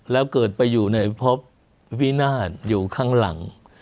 แล้วเกิดไปอยู่ในพบวินาศอยู่ข้างหลัง